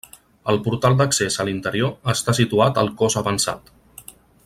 El portal d'accés a l'interior està situat al cos avançat.